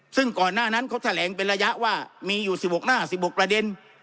ซึ่งก่อนหน้านั้นเขาแถลงเป็นระยะว่ามีอยู่๑๖หน้า๑๖ประเด็น